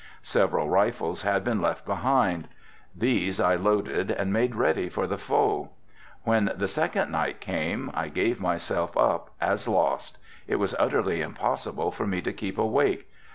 Several rifles had been left behind. These I loaded and made ready for the foe. When the second night came I gave myself up as lost. It was utterly impossible for me to keep awake.